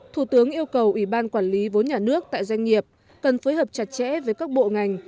thủ tướng yêu cầu ủy ban quản lý vốn nhà nước tại doanh nghiệp cần phối hợp chặt chẽ với các bộ ngành